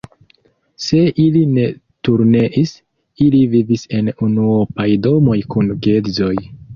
Se ili ne turneis, ili vivis en unuopaj domoj kun geedzoj.